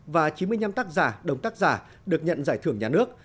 và chín mươi năm tác giả đồng tác giả được nhận giải thưởng nhà nước